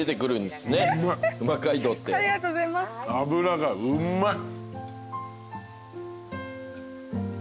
脂がうんまい。